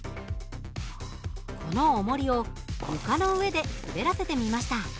このおもりを床の上で滑らせてみました。